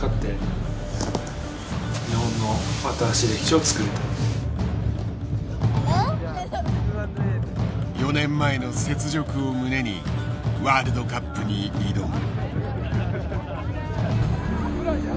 勝って４年前の雪辱を胸にワールドカップに挑む。